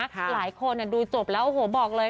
หลายคนดูจบแล้วโอ้โหบอกเลย